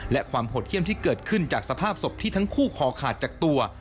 และความโหดเยี่ยมที่เกิดขึ้นจากสภาพศพที่ทั้งคู่คอขาดจากตัว